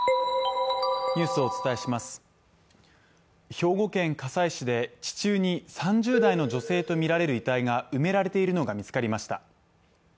兵庫県加西市で地中に３０代の女性とみられる遺体が埋められているのが見つかりました。